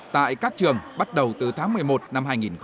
tại các trường bắt đầu từ tháng một mươi một năm hai nghìn một mươi chín